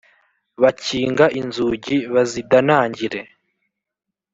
bakinga inzugi bazidanangire